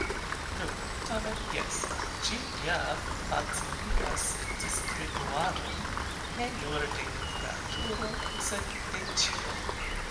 Nu, tamen jes, ĝi ja faciligas distribuadon, ne nur de literaturo, sed de ĉio.